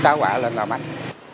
trái quạ lên là mạnh